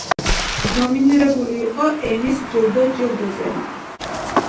ნომინირებული იყო ემის ჯილდო ჯილდოზე.